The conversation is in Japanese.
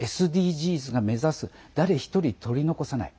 ＳＤＧｓが目指す誰一人取り残さない。